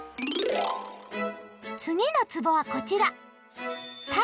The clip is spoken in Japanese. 次のつぼはこちら。